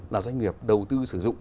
là doanh nghiệp đầu tư sử dụng